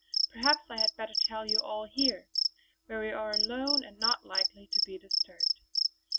Perhaps I had better tell you all here, where we are alone and not likely to be disturbed.